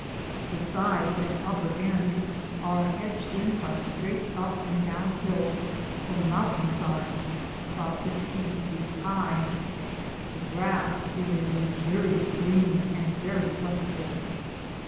The sides and upper end are hedged in by straight up and down hills or mountain sides, about fif teen feet high. The grass is a luxuriant green and very plentiful.